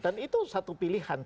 dan itu satu pilihan